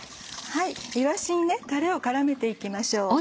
いわしにたれを絡めて行きましょう。